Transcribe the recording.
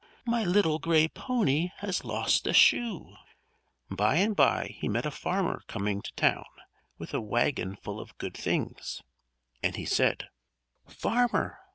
My little gray pony has lost a shoe!"_ By and by he met a farmer coming to town with a wagon full of good things; and he said: "_Farmer!